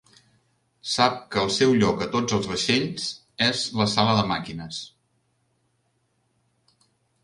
Sap que el seu lloc a tots els vaixells és la sala de màquines.